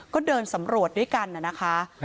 ก็เดินสำรวจด้วยกันนะคะ